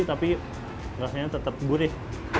tapi rasanya tetap gurih